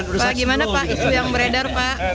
bagaimana pak isu yang beredar pak